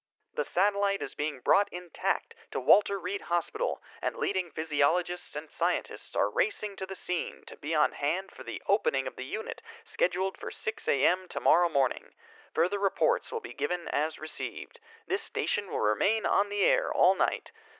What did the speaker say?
"The satellite is being brought intact to Walter Reed Hospital and leading physiologists and scientists are racing to the scene to be on hand for the opening of the unit scheduled for 6 a.m. tomorrow morning. Further reports will be given as received. This station will remain on the air all night.